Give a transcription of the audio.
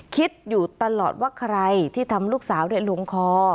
คิดอยู่ตลอดว่าใครที่ทำลูกสาวได้ลงคอ